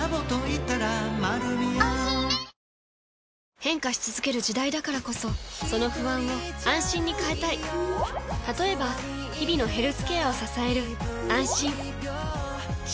変化し続ける時代だからこそその不安を「あんしん」に変えたい例えば日々のヘルスケアを支える「あんしん」